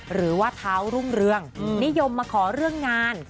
หรือว่าเท้ารุ่งเรืองนิยมมาขอเรื่องงาน